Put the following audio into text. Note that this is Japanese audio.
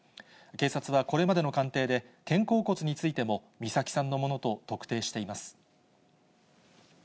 警察はこれまでの鑑定で、肩甲骨についても、美咲さんのものと特定しています。